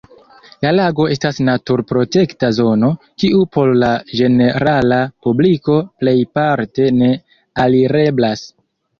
La lago estas naturprotekta zono, kiu por la ĝenerala publiko plejparte ne alireblas.